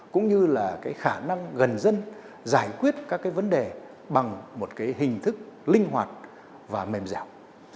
cũng như là cái khả năng gần dân giải quyết các cái vấn đề bằng một cái hình thức linh hoạt và mềm dẻo